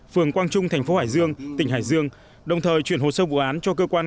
phường quang trung thành phố hải dương tỉnh hải dương đồng thời chuyển hồ sơ vụ án cho cơ quan